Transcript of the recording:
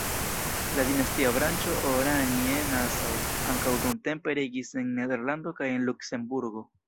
La dinastia branĉo Oranje-Nassau ankaŭ dumtempe regis en Nederlando kaj en Luksemburgo.